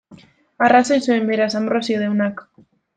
Arrazoi zuen, beraz, Anbrosio deunak.